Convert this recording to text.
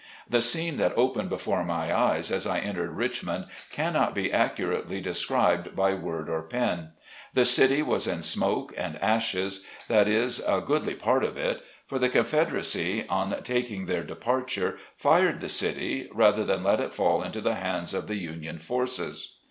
The scene that opened before my eyes as I entered Richmond cannot be accurately described by word or pen. The city was in smoke and ashes, that is, a goodly part of it, for the Confederacy, on taking their departure, fired the city rather than let it fall into the hands of the Union forces.